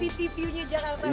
city view nya jalan uttara